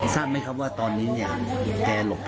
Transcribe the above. ก็ไม่รู้ว่าปิดเครื่องหรือว่าเบ็ดหมดอะไร